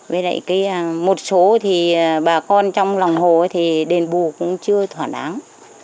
với lại một số thì bà con trong lòng hồ thì đền bù cũng chưa thỏa đáng